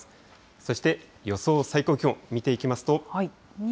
そして、予想最高気温、見ていき２